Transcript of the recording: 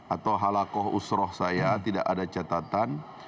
atau halakoh usroh saya tidak ada catatan